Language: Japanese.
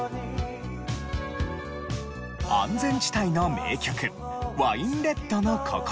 安全地帯の名曲『ワインレッドの心』。